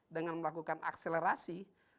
dengan melakukan akselerasi